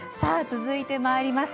続いてまいります。